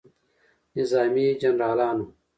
نظامي جنرالانو